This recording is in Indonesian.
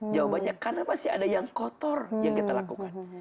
jawabannya karena masih ada yang kotor yang kita lakukan